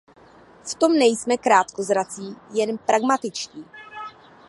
V tom nejsme krátkozrací, jen pragmatičtí.